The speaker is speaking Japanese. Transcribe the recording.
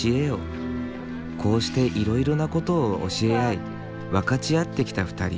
こうしていろいろなことを教え合い分かち合ってきた２人。